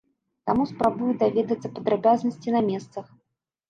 Таму спрабую даведацца падрабязнасці на месцах.